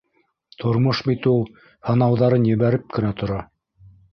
Тормош бит ул, һынауҙарын ебәреп кенә тора.